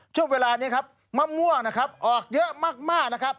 ช่วงเวลานี้ครับมะม่วงนะครับออกเยอะมากนะครับ